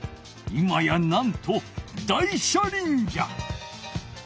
今やなんと大車輪じゃ！